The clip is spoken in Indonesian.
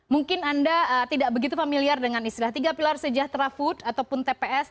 mungkin anda tidak begitu familiar dengan istilah tiga pilar sejahtera food ataupun tps